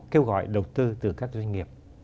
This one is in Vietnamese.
kêu gọi đầu tư từ các doanh nghiệp